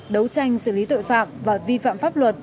đấu tranh xử lý tội phạm và vi phạm pháp luật